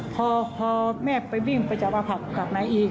พอแม่ไปวิ่งไปจับเอาผักกลับมาอีก